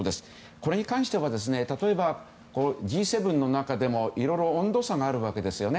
これに関しては、例えばＧ７の中でもいろいろと温度差があるわけですよね。